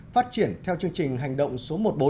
phát triển theo chương trình hành động số một mươi bốn